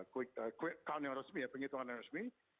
quick count yang resmi ya penghitungan yang resmi